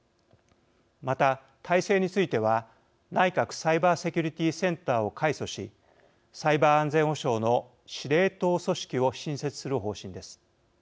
また、体制については内閣サイバーセキュリティセンターを改組しサイバー安全保障の司令塔組織を新設する方針です。